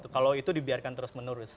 kalau itu dibiarkan terus menerus